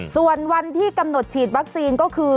ส่วนวันที่กำหนดฉีดวัคซีนก็คือ